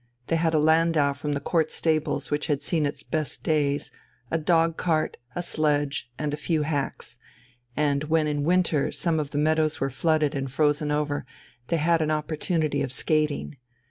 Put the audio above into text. They had a landau from the Court stables which had seen its best days, a dog cart, a sledge, and a few hacks, and when in winter some of the meadows were flooded and frozen over, they had an opportunity of skating.